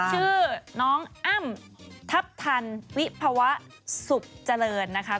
ชื่อน้องอ้ำทัพทันวิภาวะสุขเจริญนะคะ